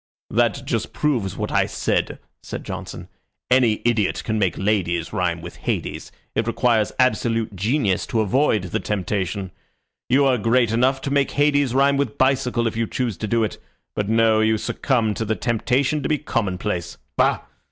"That just proves what I said," said Johnson. "Any idiot can make ladies rhyme with Hades. It requires absolute genius to avoid the temptation. You are great enough to make Hades rhyme with bicycle if you choose to do it but no, you succumb to the temptation to be commonplace. Bah!